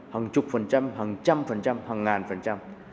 hàng chục phần trăm hàng trăm phần trăm hàng ngàn phần trăm